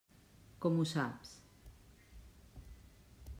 Com ho saps?